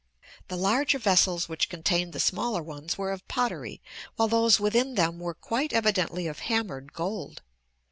The larger vessels which contained the smaller ones were of pottery while those within them were quite evidently of hammered gold.